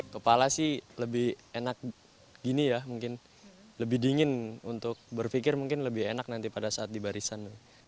kepala sih lebih enak gini ya mungkin lebih dingin untuk berpikir mungkin lebih enak nanti pada saat di barisan